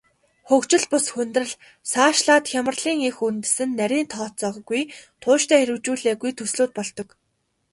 Хөгжил бус хүндрэл, цаашлаад хямралын эх үндэс нь нарийн тооцоогүй, тууштай хэрэгжүүлээгүй төслүүд болдог.